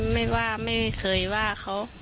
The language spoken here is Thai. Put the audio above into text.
ไม่ว่าไม่เคยว่าเขา